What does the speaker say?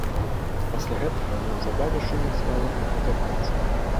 Пасля гэтага неўзабаве шумна стала ў гэтай хаце.